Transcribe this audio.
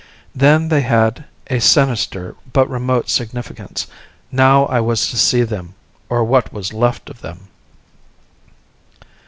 Then they had had a sinister but remote significance; now I was to see them, or what was left of them!